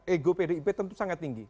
ego pdip tentu sangat tinggi